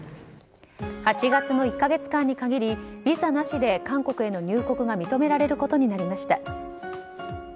８月の１か月間に限りビザなしで韓国への入国が認められることになりました。